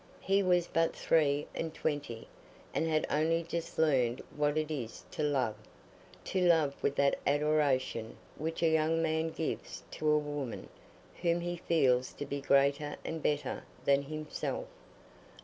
He was but three and twenty, and had only just learned what it is to love—to love with that adoration which a young man gives to a woman whom he feels to be greater and better than himself.